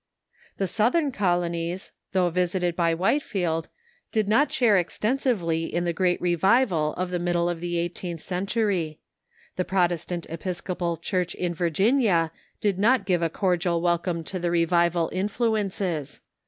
The Southern colonies, though visited by Whitefield, did not share extensively in the great revival of the middle of the eighteenth century. The Protestant Episcopal Church in Vir ginia did not give a cordial welcome to the revival influences.